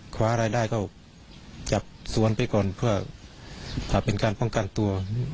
คว้าอะไรได้ก็จับสวนไปก่อนเพื่อเป็นการป้องกันตัว